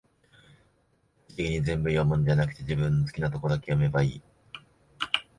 律儀に全部読むんじゃなくて、好きなとこだけ読めばいい